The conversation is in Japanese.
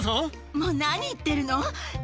もう、何言ってるの。